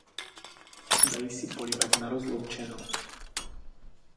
Dají si polibek na rozloučenou.